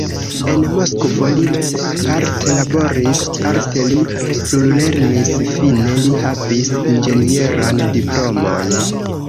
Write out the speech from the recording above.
En Moskvo li parte laboris, parte li plulernis, fine li havis inĝenieran diplomon.